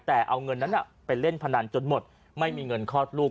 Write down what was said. แต่เอาเงินนั้นไปเล่นพนันจนหมดไม่มีเงินคลอดลูก